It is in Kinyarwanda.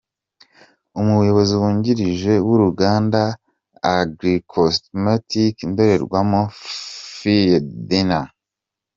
Umuyobozi wungirije w’ uruganda Agricosmetic Indorerwamo, Fille Dynah.